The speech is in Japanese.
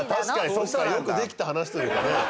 そうしたらよくできた話というかね。